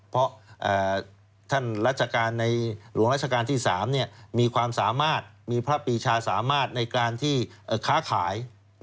เพราะท่านรัชกาลในหลวงราชการที่๓มีความสามารถมีพระปีชาสามารถในการที่ค้าขาย